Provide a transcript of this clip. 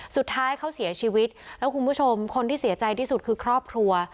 สุดท้ายเขาเสียชีวิตแล้วคุณผู้ชมคนที่เสียใจที่สุดคือครอบครัว